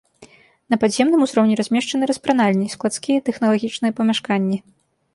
На падземным узроўні размешчаны распранальні, складскія і тэхналагічныя памяшканні.